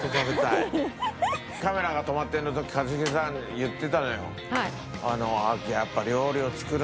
カメラが止まっている時一茂さん言ってたのよ。